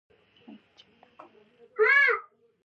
افغانستان کې د انارو د پرمختګ لپاره ګټورې هڅې روانې دي.